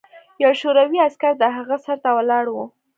یو شوروي عسکر د هغه سر ته ولاړ و